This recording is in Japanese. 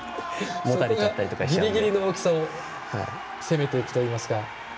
ギリギリの大きさで攻めていくといいますか。